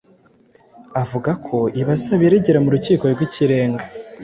Avuga ko ibi azabiregera mu Rukiko rw'Ikirenga.